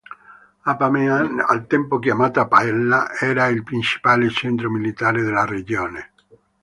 Apamea, al tempo chiamata Pella, era il principale centro militare della regione.